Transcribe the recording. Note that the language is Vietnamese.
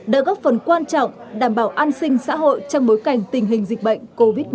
đã góp phần quan trọng đảm bảo an sinh xã hội trong bối cảnh tình hình dịch bệnh covid một mươi chín